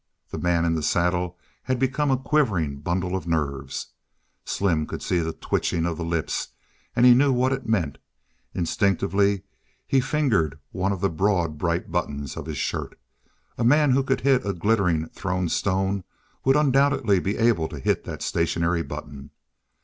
The man in the saddle had become a quivering bundle of nerves; Slim could see the twitching of the lips, and he knew what it meant. Instinctively he fingered one of the broad bright buttons of his shirt. A man who could hit a glittering thrown stone would undoubtedly be able to hit that stationary button.